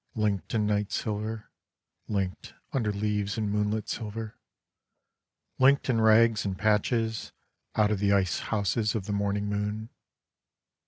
Linked in night silver, Linked under leaves in moonlit silver, Linked in rags and patches Out of the ice houses of the morning moon.